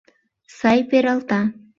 — Сай пералта!